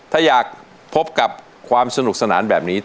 ถ้าอยากพบกับความสนุกสนานแบบนี้